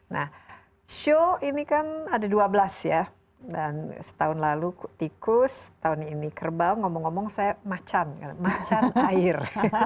nah show ini kan ada dua belas ya dan setahun lalu tikus tahun ini kerbau ngomong ngomong saya macan macan air